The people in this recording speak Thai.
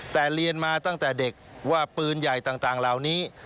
แต่เรียนมาตั้งแต่เด็กว่าปืนใหญ่ต่างเหล่านี้